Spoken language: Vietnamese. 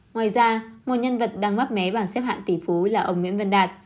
ngoài ra một nhân vật đang mắp mé bảng xếp hạng tỷ phú là ông nguyễn vân đạt